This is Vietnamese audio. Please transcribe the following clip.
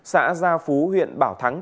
xã gia phú huyện bảo thắng